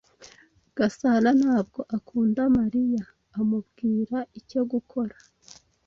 Gasanantabwo akunda Mariya amubwira icyo gukora.